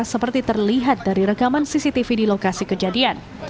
seperti terlihat dari rekaman cctv di lokasi kejadian